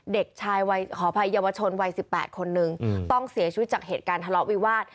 เด็กชายวัยขออภัยเยาวชนวัย๑๘คนนึงต้องเสียชีวิตจากเหตุการณ์ทะเลาะวิวาส